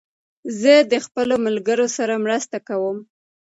زه د خپلو ملګرو سره مرسته کوم.